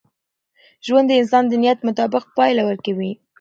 ژوند د انسان د نیت مطابق پایله ورکوي.